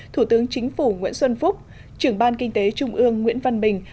thủ tướng chính phủ nguyễn xuân phúc trưởng ban kinh tế trung ương nguyễn văn bình